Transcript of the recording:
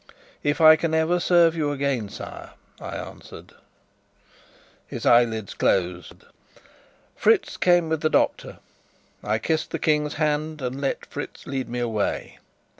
"If I can ever serve you again, sire," I answered. His eyelids closed. Fritz came with the doctor. I kissed the King's hand, and let Fritz lead me away.